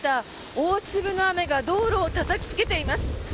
大粒の雨が道路をたたきつけています。